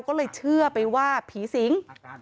ก็เลยเชื่อไปว่าผีสิง